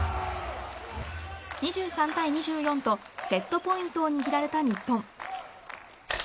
２３対２４とセットポイントを握られた日本。